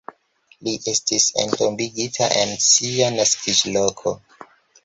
Li estis entombigita en sia naskiĝloko.